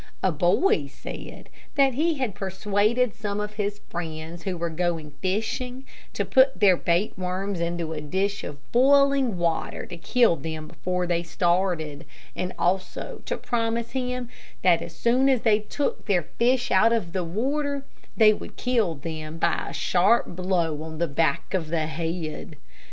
A boy said that he had persuaded some of his friends who were going fishing, to put their bait worms into a dish of boiling water to kill them before they started, and also to promise him that as soon as they took their fish out of the water, they would kill them by a sharp blow on the back of the head.